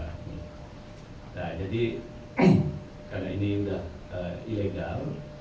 nah jadi karena ini sudah ilegal